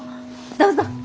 どうぞ。